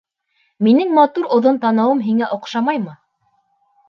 Минең матур оҙон танауым һиңә оҡшамаймы?